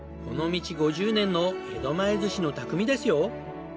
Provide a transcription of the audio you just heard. この道５０年の江戸前寿司の匠ですよ。